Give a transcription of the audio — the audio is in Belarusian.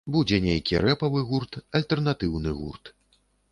Будзе нейкі рэпавы гурт, альтэрнатыўны гурт.